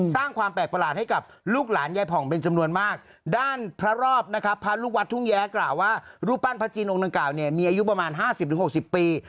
สร้างความแปลกประหลาดให้กับลูกหลานยายผ่องเป็นจำนวนมากด้านพระรอบนะครับพระลูกวัดทุ่งแย้กล่าวว่ารูปปั้นพระจีนองค์ดังกล่าวเนี่ยมีอายุประมาณห้าสิบถึงหกสิบปี